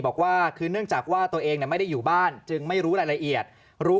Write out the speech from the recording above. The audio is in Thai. บอกว่าคือเนื่องจากว่าตัวเองไม่ได้อยู่บ้านจึงไม่รู้รายละเอียดรู้